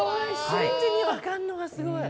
瞬時に分かんのがすごい。